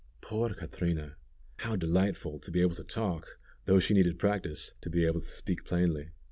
Poor Catrina! How delightful to be able to talk, though she needed practice to be able to speak plainly.